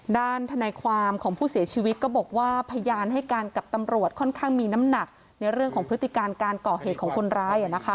ทนายความของผู้เสียชีวิตก็บอกว่าพยานให้การกับตำรวจค่อนข้างมีน้ำหนักในเรื่องของพฤติการการก่อเหตุของคนร้าย